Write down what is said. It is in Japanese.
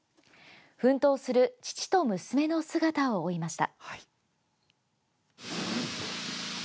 奮闘する父と娘の姿を追いました。